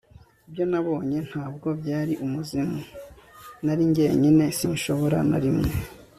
ibyo nabonye ntabwo byari umuzimu. nari jyenyine. sinshobora na rimwe